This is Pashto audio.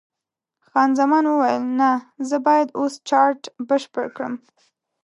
خان زمان وویل: نه، زه باید اوس چارټ بشپړ کړم.